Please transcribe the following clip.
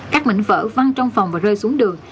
các mảnh vỡ văng trong phòng và rơi xuống đường